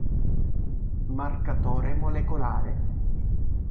Marcatore molecolare